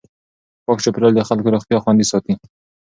پاک چاپېریال د خلکو روغتیا خوندي ساتي.